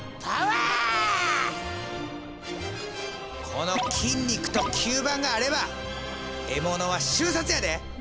この筋肉と吸盤があれば獲物は瞬殺やで！